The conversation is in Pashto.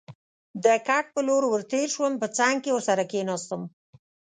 د کټ په لور ور تېر شوم، په څنګ کې ورسره کېناستم.